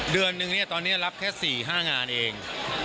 เดือนนึงเนี่ยตอนนี้รับแค่๔๕งานเอง